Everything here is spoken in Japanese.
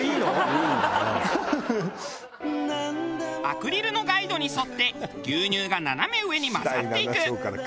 アクリルのガイドに沿って牛乳が斜め上に混ざっていく。